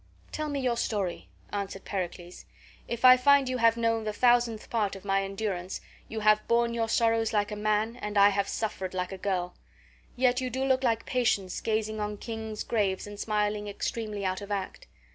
"Tell me your story," answered Pericles. "If I find you have known the thousandth part of my endurance you have borne your sorrows like a man and I have suffered like a girl; yet you do look like Patience gazing on kings' graves and smiling extremely out of act.